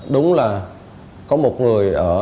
đúng là có một người ở